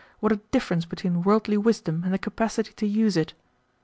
What a difference between worldly wisdom and the capacity to use it!"